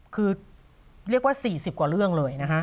คือเรียกว่า๔๐กว่าเรื่องเลยนะคะ